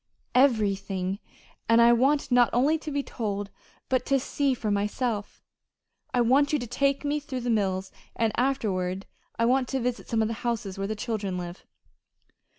"Everything. And I want not only to be told, but to see for myself. I want you to take me through the mills, and afterward I want to visit some of the houses where the children live."